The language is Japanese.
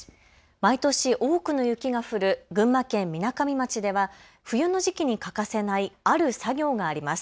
毎年、多くの雪が降る群馬県みなかみ町では冬の時期に欠かせないある作業があります。